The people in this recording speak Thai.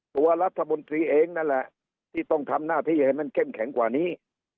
ตัวรัฐมนตรีเองนั่นแหละที่ต้องทำหน้าที่ให้มันเข้มแข็งกว่านี้